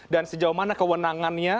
dan sejauh mana kewenangannya